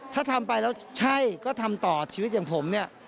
ถ้าทำไปแล้วใช่ก็ทำต่อชีวิตอย่างผมเนี่ย